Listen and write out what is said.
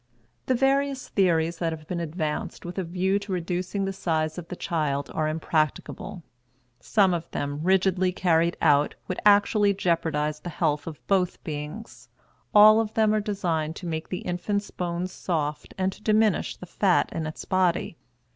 The various theories that have been advanced with a view to reducing the size of the child are impracticable; some of them, rigidly carried out, would actually jeopardize the health of both beings. All of them are designed to make the infant's bones soft and to diminish the fat in its body.